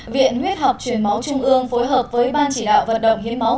viện huyết học truyền máu trung ương phối hợp với ban chỉ đạo vận động hiến máu